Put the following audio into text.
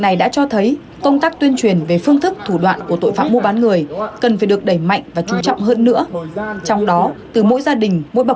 đây là phương tức thủ đoạn chung của tội phạm mua bán người trong thời gian qua